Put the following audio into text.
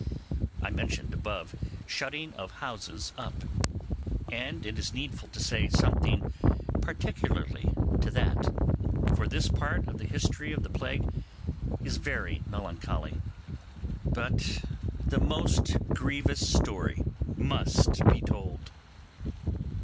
I mentioned above shutting of houses up; and it is needful to say something particularly to that, for this part of the history of the plague is very melancholy, but the most grievous story must be told.